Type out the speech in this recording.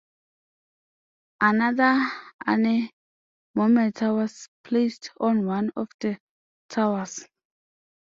Another anemometer was placed on one of the towers.